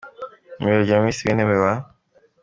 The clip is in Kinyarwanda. n’ibiro bya Minisitiri w’Intebe wa.